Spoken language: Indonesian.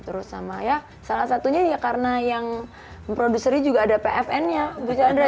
terus sama ya salah satunya ya karena yang produsernya juga ada pfn nya gus chandra